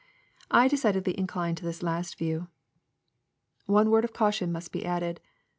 I decidedly incline to this last view. One word of caution must be added.